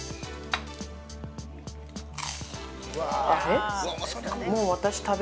あれ？